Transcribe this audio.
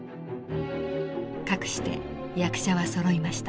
かくして役者はそろいました。